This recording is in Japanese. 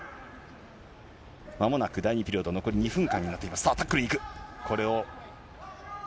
まもなく第２ピリオド、残り２分間になっています。